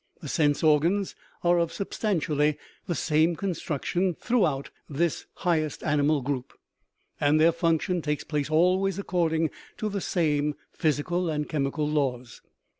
The sense organs are of substantially the same construction throughout this highest animal group, and their function takes place always according to the same physical and chemical laws.